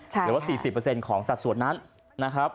หรือว่า๔๐ของสัดส่วนนั้นนะครับ